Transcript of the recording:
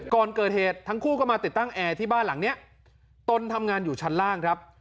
ก่อนเกิดเหตุทั้งคู่ก็มาติดตั้งแอร์ที่บ้านหลังนี้ตนทำงานอยู่ชั้นล่างครับ